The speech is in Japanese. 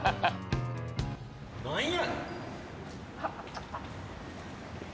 何や。